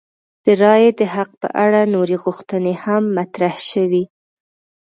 د رایې د حق په اړه نورې غوښتنې هم مطرح شوې.